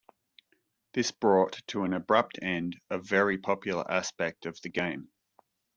This brought to an abrupt end a very popular aspect of the game.